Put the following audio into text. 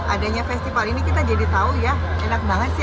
adanya festival ini kita jadi tahu ya enak banget sih